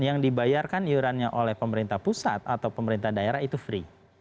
yang dibayarkan iurannya oleh pemerintah pusat atau pemerintah daerah itu free